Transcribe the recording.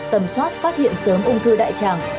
tầm soát phát hiện sớm ung thư đại tràng